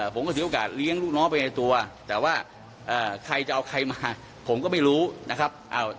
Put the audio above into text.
ผมก็ไม่รู้นะครับ